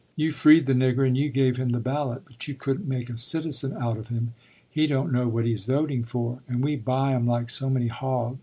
You freed the nigger and you gave him the ballot, but you couldn't make a citizen out of him. He don't know what he's voting for, and we buy 'em like so many hogs.